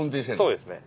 そうですね。